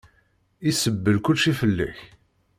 Isebbel kulci fell-ak.